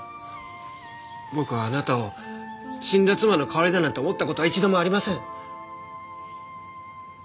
僕はあなたを死んだ妻の代わりだなんて思った事は一度もありません！